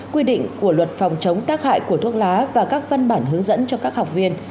quy định của luật phòng chống tác hại của thuốc lá và các văn bản hướng dẫn cho các học viên